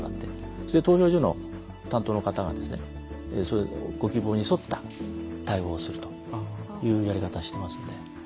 それで投票所の担当の方がご希望に沿った対応をするというやり方をしてますので。